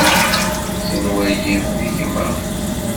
Tenwa-yi d gma.